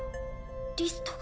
リストが。